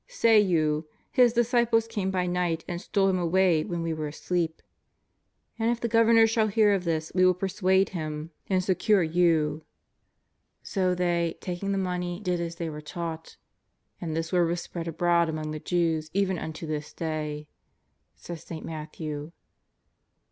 ^^ Say you :^ His disciples came by night and stole Him away when we were asleep.' And if the Governor shall hear of this, we will persuade him and 388 JESUS OF NAZAEETH. secure you." So they, taking the money, did as they were taught. "And this word was spread abroad among the Jews even unto this day," says St. Matthew.